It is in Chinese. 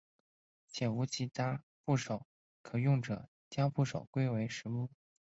且无其他部首可用者将部首归为石部。